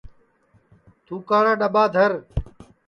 تُھوکاڑا ڈؔٻا ٻار دھر